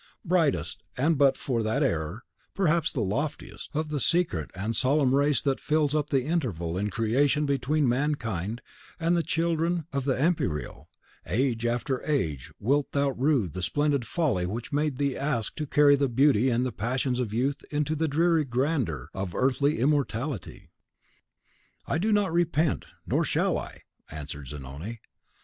Brightest, and, but for that error, perhaps the loftiest, of the secret and solemn race that fills up the interval in creation between mankind and the children of the Empyreal, age after age wilt thou rue the splendid folly which made thee ask to carry the beauty and the passions of youth into the dreary grandeur of earthly immortality." "I do not repent, nor shall I," answered Zanoni.